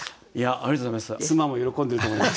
ありがとうございます。